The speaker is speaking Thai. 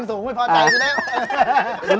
สูงไม่พอใจกูแล้ว